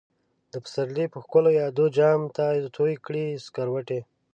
دپسرلی په ښکلو يادو، جام ته تويې کړه سکروټی